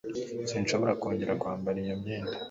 sinshobora kongera kwambara iyo myenda